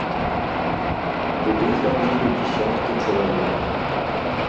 Туды хадзілі дзясяткі чалавек.